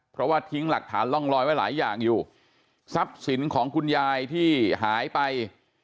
เพราะว่าทิ้งหลักฐานร่องลอยไว้หลายอย่างอยู่ทรัพย์สินของคุณยายที่หายไป